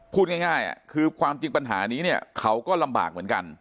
พูดง่ายคือความจริงปัญหานี้เนี่ยเขาก็ลำบากเหมือนกัน